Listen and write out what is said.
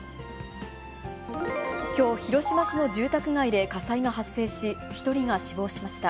きょう、広島市の住宅街で火災が発生し、１人が死亡しました。